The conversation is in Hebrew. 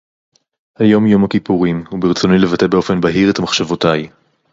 היום – יום הכיפורים, וברצוני לבטא באופן בהיר את מחשבותיי.